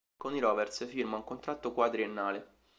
Con i "Rovers" firma un contratto quadriennale.